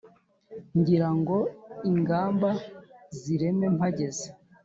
Ngira ngo ingamba zireme mpageze,